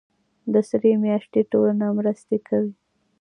د سرې میاشتې ټولنه مرستې کوي